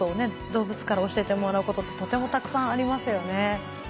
動物から教えてもらうことってとてもたくさんありますよね。